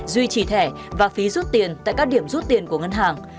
duy trì thẻ và phí rút tiền tại các điểm rút tiền của ngân hàng